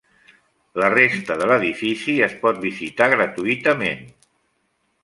La resta de l'edifici es pot visitar gratis.